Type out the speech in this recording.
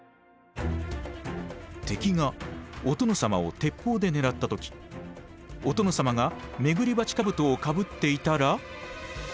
敵がお殿様を鉄砲で狙った時お殿様が廻り鉢兜をかぶっていたら。